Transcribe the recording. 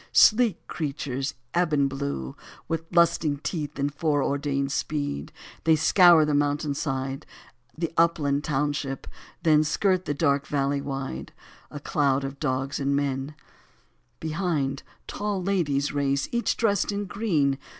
Sleek creatures, ebon blue. With lusting teeth and fore ordained speed. 62 They scour the mountain side, The upland township, then Skirt the dark valley wide, A cloud of dogs and men : Behind, tall ladies race. Each dressed in green.